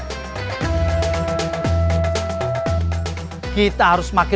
ini menurut saya